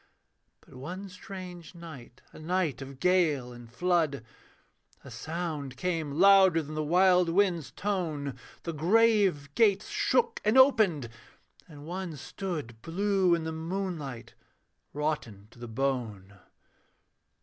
But one strange night, a night of gale and flood, A sound came louder than the wild wind's tone; The grave gates shook and opened: and one stood Blue in the moonlight, rotten to the bone.